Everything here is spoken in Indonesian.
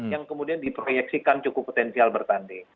yang kemudian diproyeksikan cukup potensial bertanding